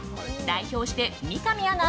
代表して三上アナ